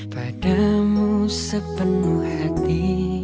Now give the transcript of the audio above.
padamu sepenuh hati